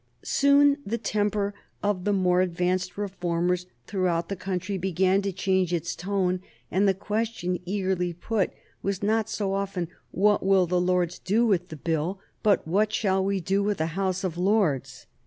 Soon the temper of the more advanced Reformers throughout the country began to change its tone, and the question eagerly put was not so often what will the Lords do with the Bill? but what shall we do with the House of Lords?